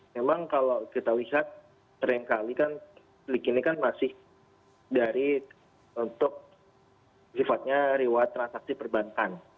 memang kalau kita wisat tering kali kan sleek ini kan masih dari untuk sifatnya reward transaksi perbankan